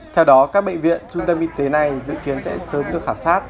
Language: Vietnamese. theo đó các bệnh viện trung tâm y tế này dự kiến sẽ sớm được khảo sát